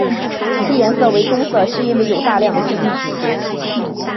其颜色为棕色是因为有大量的线粒体。